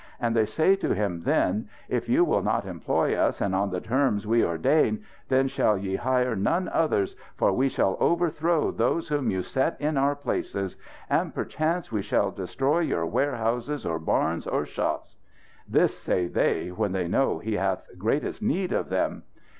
And they say to him then: 'If you will not employ us and on the terms we ordain, then shall ye hire none others, for we shall overthrow those whom you set in our places. And perchance we shall destroy your warehouses or barns or shops!' This say they, when they know he hath greatest need of them.